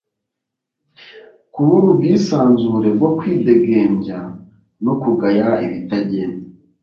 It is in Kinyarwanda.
kubura ubwisanzure bwo kwidengembya no kugaya ibitagenda